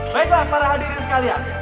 baiklah para hadirin sekalian